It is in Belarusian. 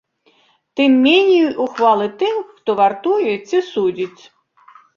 Тым меней ухвалы тым, хто вартуе ці судзіць.